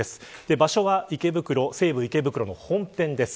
場所は西武池袋本店です。